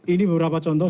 ini beberapa contoh